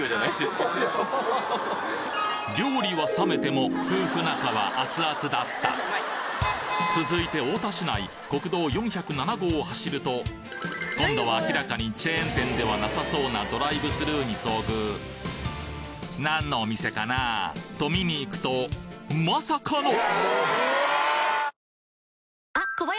料理は冷めても夫婦仲は続いて太田市内国道４０７号を走ると今度は明らかにチェーン店ではなさそうなドライブスルーに遭遇何のお店かな？と見に行くとまさかの！